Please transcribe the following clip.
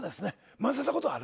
混ぜたことある？